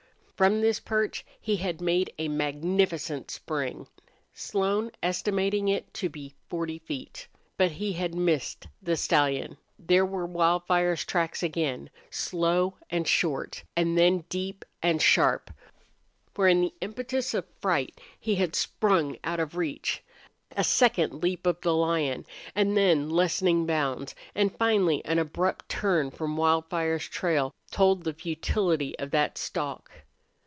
From this perch he had made a magnificent spring Slone estimating it to be forty feet but he had missed the stallion. There were Wildfire's tracks again, slow and short, and then deep and sharp where in the impetus of fright he had sprung out of reach. A second leap of the lion, and then lessening bounds, and finally an abrupt turn from Wildfire's trail told the futility of that stalk.